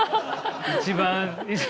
一番。